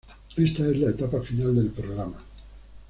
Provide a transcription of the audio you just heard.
Esta es la etapa final del programa.